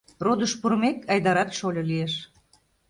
Родыш пурымек, Айдарат шольо лиеш.